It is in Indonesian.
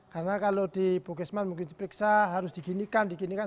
karena kalau di bukesman mungkin diperiksa harus diginikan